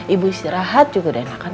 ibu istirahat juga udah enakan